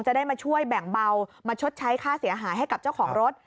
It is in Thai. จะได้มาช่วยแบ่งเบามาชดใช้ค่าเสียหายให้กับเจ้าของรถ